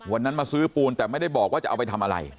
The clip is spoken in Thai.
วันนั้นมาซื้อปูนแต่ไม่ได้บอกว่าจะเอาไปทำอะไร